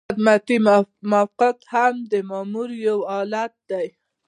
خدمتي موقف هم د مامور یو حالت دی.